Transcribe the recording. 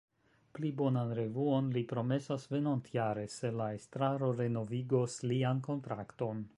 Pli bonan revuon li promesas venontjare, se la estraro renovigos lian kontrakton.